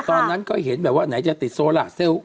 ตอนนั้นก็เห็นแบบว่าไหนจะติดโซล่าเซลล์